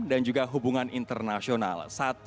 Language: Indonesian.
dan juga hubungan internasional